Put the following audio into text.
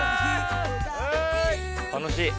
楽しい。